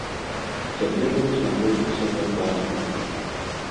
Цяпер ён знаходзіцца ў лякарні.